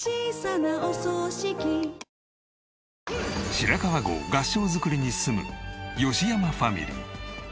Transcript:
白川郷合掌造りに住む吉山ファミリー。